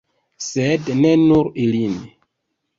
Sed ne nur ilin.